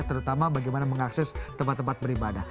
terutama bagaimana mengakses tempat tempat beribadah